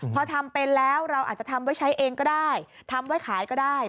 พอทำเป็นแล้วเราอาจจะทำไว้ใช้เองก็ได้ทำไว้ขายก็ได้